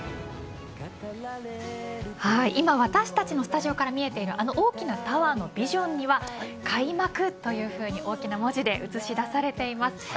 今、私たちのスタジオから見えているあの大きなタワーのビジョンには開幕という大きな文字で映し出されています。